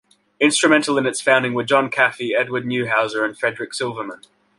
Instrumental in its founding were John Caffey, Edward Neuhauser, and Frederic Silverman.